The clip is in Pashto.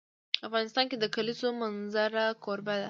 افغانستان د د کلیزو منظره کوربه دی.